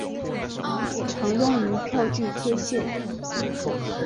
常用于票据贴现。